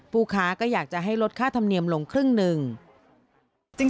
ผู้ค้าก็อยากจะให้ลดค่าธรรมเนียมลงครึ่งหนึ่ง